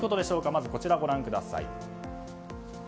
まずは、こちらご覧ください。